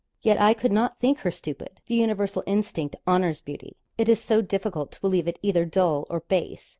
Yet I could not think her stupid. The universal instinct honours beauty. It is so difficult to believe it either dull or base.